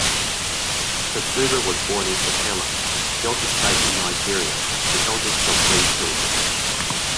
Fasuba was born in Sapele, Delta State in Nigeria, the eldest of three children.